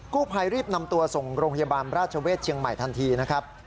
ผู้ภัยรีบนำตัวส่งโรงพยาบาลราชเวศเชียงใหม่ทันทีนะครับ